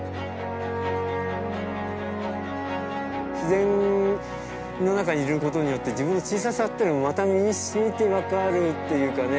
自然の中にいることによって自分の小ささっていうのがまた身にしみて分かるっていうかね。